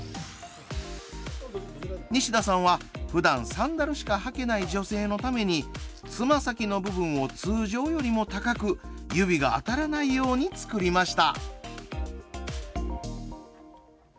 西田さんは、ふだんサンダルしか履けない女性のためにつま先の部分を通常よりも高く指が当たらないようにつくりました。